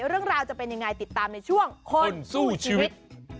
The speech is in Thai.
เรื่องราวจะเป็นยังไงติดตามในช่วงคนสู้ชีวิต